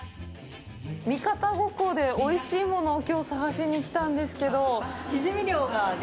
三方五湖でおいしいものをきょう探しに来たんですけど。